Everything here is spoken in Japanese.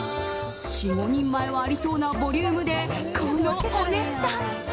４５人前はありそうなボリュームでこのお値段。